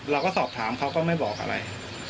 เราก็สอบถามเขาก็ไม่บอกอะไร